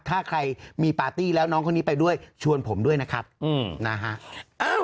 ถ้าใครมีปาร์ตี้แล้วน้องคนนี้ไปด้วยชวนผมด้วยนะครับนะฮะ